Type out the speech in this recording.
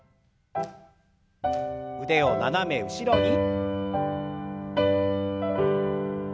腕を斜め後ろに。